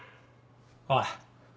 おい。